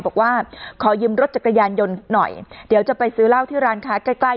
บอกว่าขอยืมรถจักรยานยนต์หน่อยเดี๋ยวจะไปซื้อเหล้าที่ร้านค้าใกล้ใกล้